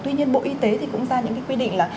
tuy nhiên bộ y tế thì cũng ra những cái quy định là